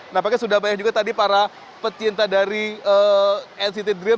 nampaknya sudah banyak juga tadi para pecinta dari nct dream